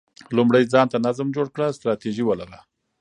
لومړی ځان ته نظم جوړ کړه، ستراتیژي ولره،